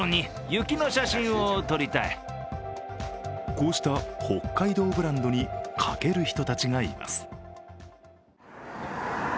こうした北海道ブランドにかける人たちがいます。